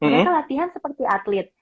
mereka latihan seperti atlet